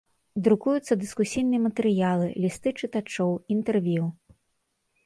Друкуюцца дыскусійныя матэрыялы, лісты чытачоў, інтэрв'ю.